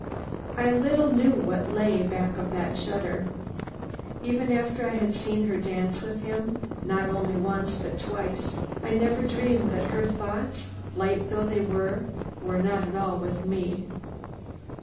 I little knew what lay back of that shudder. Even after I had seen her dance with him, not only once, but twice, I never dreamed that her thoughts, light though they were, were not all with me.